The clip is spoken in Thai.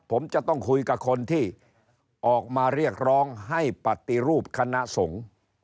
ผมจะต้องคุยกับคนที่ออกมาเรียกร้องให้ปฏิรูปคณะสงฆ์